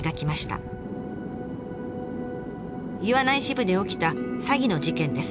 岩内支部で起きた詐欺の事件です。